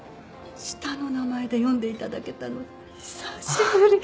下の名前で呼んでいただけたの久しぶり。